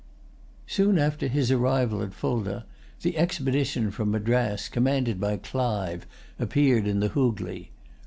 Soon after his arrival at Fulda, the expedition from Madras, commanded by Clive, appeared in the Hoogley.